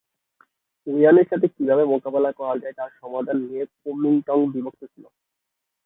ইউয়ানের সাথে কিভাবে মোকাবিলা করা যায় তার সমাধান নিয়ে কুওমিন্টাং বিভক্ত ছিল।